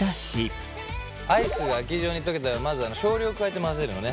アイスが液状に溶けたらまず少量加えて混ぜるのね。